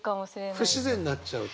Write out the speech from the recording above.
不自然になっちゃうと？